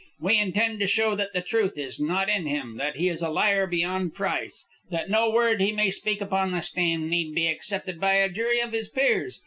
We intend to show that the truth is not in him; that he is a liar beyond price; that no word he may speak upon the stand need be accepted by a jury of his peers.